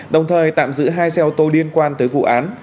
đồng thời tạm giữ hai xe ô tô liên quan tới vụ án